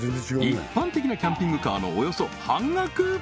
一般的なキャンピングカーのおよそ半額！